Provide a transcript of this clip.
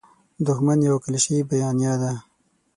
دوښمن یوه کلیشیي بیانیه ده.